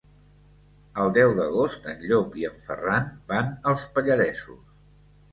El deu d'agost en Llop i en Ferran van als Pallaresos.